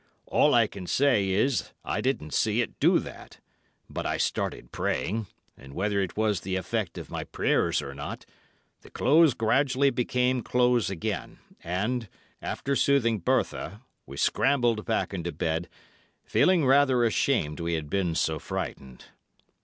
"All I can say is I didn't see it do that, but I started praying, and whether it was the effect of my prayers or not, the clothes gradually became clothes again, and, after soothing Bertha, we scrambled back into bed, feeling rather ashamed we had been so frightened.